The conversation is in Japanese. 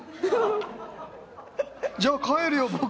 「じゃあ帰るよ僕」